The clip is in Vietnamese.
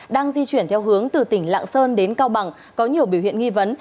đang di chuyển theo hướng từ tỉnh lạng sơn đến cao bằng có nhiều biểu hiện nghi vấn